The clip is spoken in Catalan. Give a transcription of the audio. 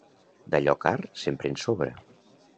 D'allò car, sempre en sobra.